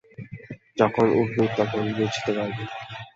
যখন উঠবি তখন বুঝতে পারবি।